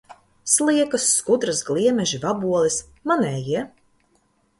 Sliekas, skudras, gliemeži, vaboles - manējie.